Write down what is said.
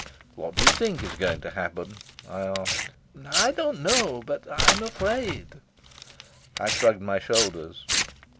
"What do you think is going to happen?" I asked. "I don't know. But I'm afraid." I shrugged my shoulders.